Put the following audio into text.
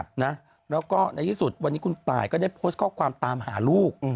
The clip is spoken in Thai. แล้วก็ในที่สุดวันนี้คุณตายก็ได้โพสต์ข้อความตามหาลูก